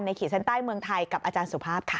ขีดเส้นใต้เมืองไทยกับอาจารย์สุภาพค่ะ